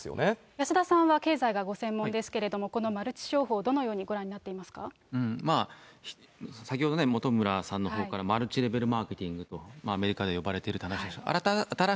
安田さんは経済がご専門ですけれども、このマルチ商法、どのまあ、先ほど本村さんのほうから、マルチレベルマーケティングとアメリカで呼ばれているお話がありました。